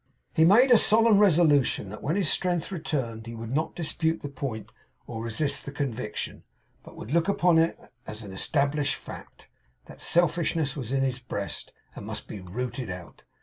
He made a solemn resolution that when his strength returned he would not dispute the point or resist the conviction, but would look upon it as an established fact, that selfishness was in his breast, and must be rooted out.